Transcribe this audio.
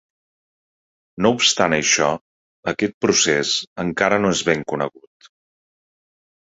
No obstant això, aquest procés encara no és ben conegut.